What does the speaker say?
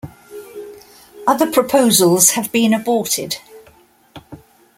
Other proposals have been aborted.